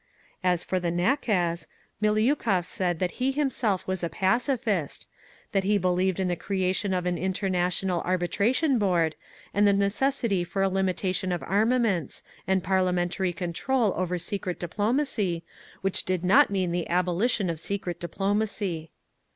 As for the nakaz, Miliukov said that he himself was a pacifist; that he believed in the creation of an International Arbitration Board, and the necessity for a limitation of armaments, and parliamentary control over secret diplomacy, which did not mean the abolition of secret diplomacy.